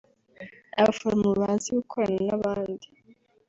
Abaforomo bazi gukorana n’abandi